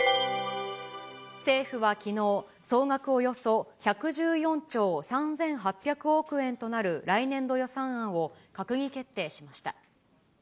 政府はきのう、総額およそ１１４兆３８００億円となる来年度予算案を閣議決定しました。